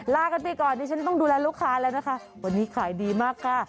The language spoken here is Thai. ลากันไปก่อนดิฉันต้องดูแลลูกค้าแล้วนะคะวันนี้ขายดีมากค่ะ